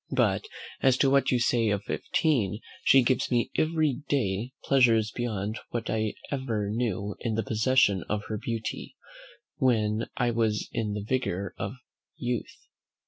But as to what you say of fifteen, she gives me every day pleasures beyond what I ever knew in the possession of her beauty, when I was in the vigour of youth.